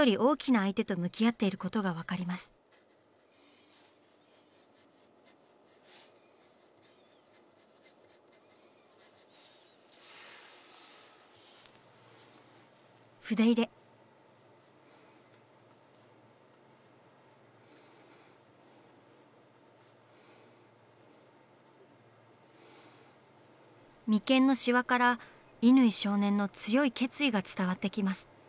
眉間のシワから乾少年の強い決意が伝わってきます。